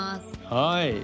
はい。